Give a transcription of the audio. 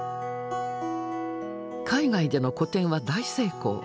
海外での個展は大成功。